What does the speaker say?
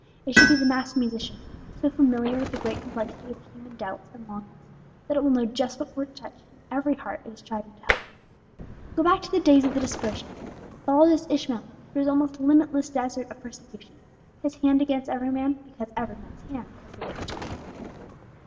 It should be the master musician, so familiar with the great complexity of human doubts and longings, that it will know just what chord to touch in every heart it is striving to help. Go back to the days of the dispersion, and follow this Ishmael through his almost limitless desert of persecution his hand against every man because every man's hand was against him.